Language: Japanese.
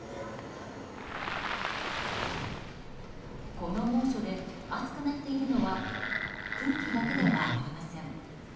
この猛暑で暑くなっているのは空気だけではありません。